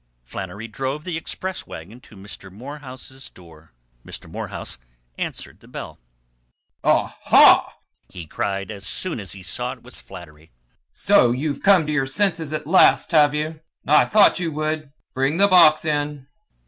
Flannery drove the express wagon to Mr. Morehouse's door. Mr. Morehouse answered the bell. "Ah, ha!" he cried as soon as he saw it was Flannery. "So you've come to your senses at last, have you? I thought you would! Bring the box in."